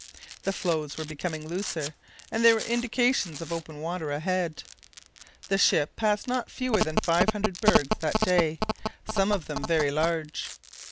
The floes were becoming looser, and there were indications of open water ahead. The ship passed not fewer than five hundred bergs that day, some of them very large.